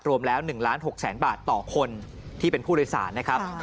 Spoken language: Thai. รวมแล้ว๑ล้าน๖แสนบาทต่อคนที่เป็นผู้โดยสารนะครับ